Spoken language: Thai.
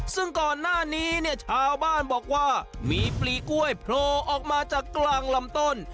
ซึ่งก่อนหน้านี้เนี่ยชาวบ้านบอกว่ามีปลีกล้วยโผล่ออกมาจากกลางลำต้น